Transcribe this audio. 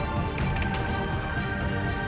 tahlilan itu biasa